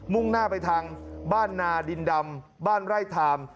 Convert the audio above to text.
่งหน้าไปทางบ้านนาดินดำบ้านไร่ทาม